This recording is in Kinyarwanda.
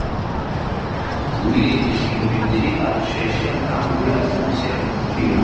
Uwirengeje ingoma ebyiri aba asheshe akanguhe azi gushyira mu gaciro.